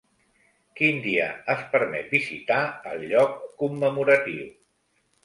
Quin dia es permet visitar el lloc commemoratiu?